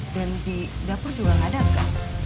dan di dapur juga gak ada gas